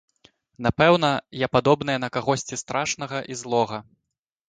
Напэўна, я падобная на кагосьці страшнага і злога.